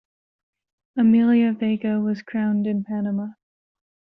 Amelia Vega was crowned in Panama.